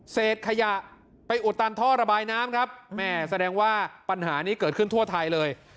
เสร็จขยะไปอุดตันท่อระบายน้ำครับแม่แสดงว่าปัญหานี้เกิดขึ้นทั่วไทยเลย